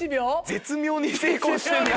絶妙に成功してる。